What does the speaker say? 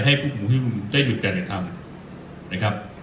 ให้ผู้ชุมนุมได้หยุดการการทำ